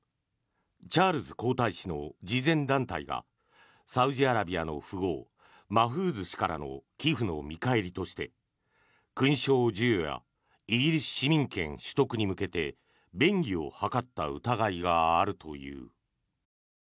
チャールズ皇太子の慈善団体がサウジアラビアの富豪マフーズ氏からの寄付の見返りとして、勲章授与やイギリス市民権取得に向けて便宜を図った疑いがあるという。